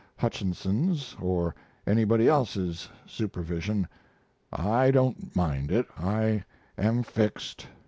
Hutchinson's or anybody else's supervision. I don't mind it. I am fixed.